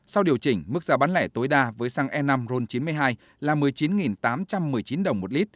sau điều chỉnh mức giá bán lẻ tối đa với xăng e năm ron chín mươi hai là một mươi chín tám trăm một mươi chín đồng một lít